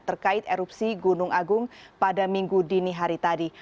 terkait erupsi gunung agung pada minggu dini hari tadi